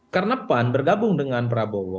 karena pan bergabung dengan prabowo